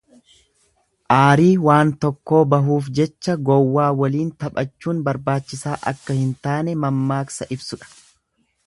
Aarii waan tokkoo bahuuf jecha gowwaa waliin taphachuun barbaachisaa akka hin taane mammaaksa ibsudha.